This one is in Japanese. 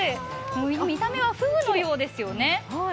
見た目はふぐのようですね。